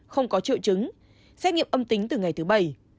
không có triệu chứng xét nghiệm âm tính từ ngày thứ bảy